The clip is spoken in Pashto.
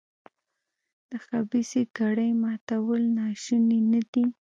د خبیثه کړۍ ماتول ناشوني نه دي.